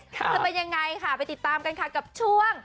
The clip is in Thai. จะเป็นยังไงค่ะไปติดตามกันค่ะกับช่วง